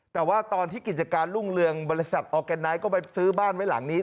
แต่ว่าตอนที่กิจการรุ่งเรืองบริษัทออร์แกนไนท์ก็ไปซื้อบ้านไว้หลังนี้